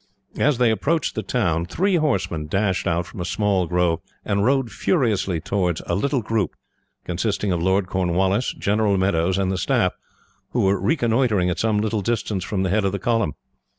As they approached the town, three horsemen dashed out from a small grove, and rode furiously towards a little group, consisting of Lord Cornwallis, General Meadows, and the staff, who were reconnoitring at some little distance from the head of the column.